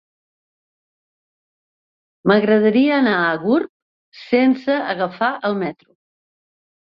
M'agradaria anar a Gurb sense agafar el metro.